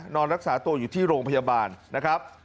นอนรักษาตัวอยู่ที่โรงพยาบาลนะครับ